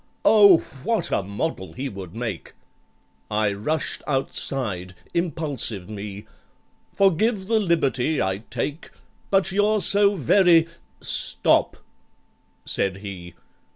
"Oh, what a model he would make!" I rushed outside—impulsive me!— "Forgive the liberty I take, But you're so very"—"Stop!" said he.